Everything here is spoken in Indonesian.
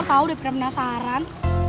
gue bener bener penasaran